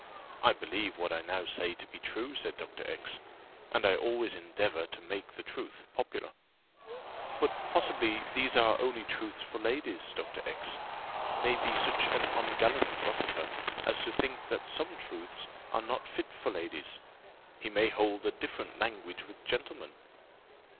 "I believe what I now say to be true," said Dr. X , "and I always endeavour to make truth popular." "But possibly these are only truths for ladies. Doctor X may be such an ungallant philosopher, as to think that some truths are not fit for ladies. He may hold a different language with gentlemen."